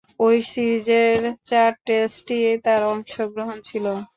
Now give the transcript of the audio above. ঐ সিরিজের চার টেস্টেই তার অংশগ্রহণ ছিল।